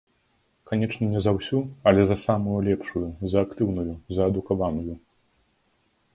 Канечне, не за ўсю, але за самую лепшую, за актыўную, за адукаваную.